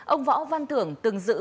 ông võ văn thưởng từng giữ